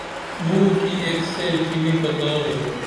موکی اک سیر چینی پکار دور